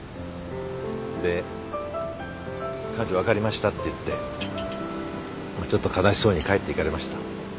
で彼女「分かりました」って言ってまあちょっと悲しそうに帰っていかれました。